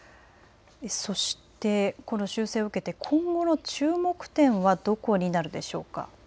そして、この修正を受けて今後の注目点はどこになるでしょうか。